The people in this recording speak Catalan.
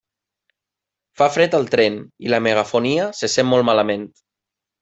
Fa fred al tren i la megafonia se sent molt malament.